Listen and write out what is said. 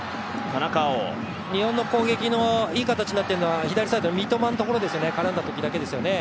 日本の攻撃のいい形になっているのは左サイド、三笘のところ絡んだときだけですよね。